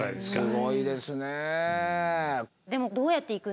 すごいですね。